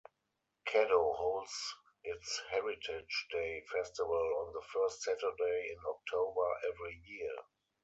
Caddo holds its Heritage Day Festival on the first Saturday in October every year.